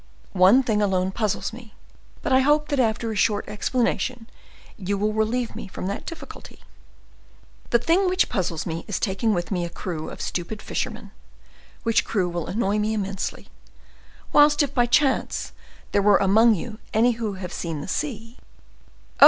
One thing alone puzzles me; but I hope that after a short explanation, you will relieve me from that difficulty. The thing which puzzles me is taking with me a crew of stupid fishermen, which crew will annoy me immensely, whilst if, by chance, there were among you any who have seen the sea—" "Oh!